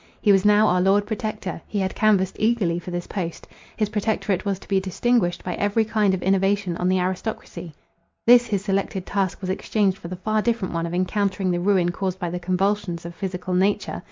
He was now our Lord Protector. He had canvassed eagerly for this post. His protectorate was to be distinguished by every kind of innovation on the aristocracy. This his selected task was exchanged for the far different one of encountering the ruin caused by the convulsions of physical nature.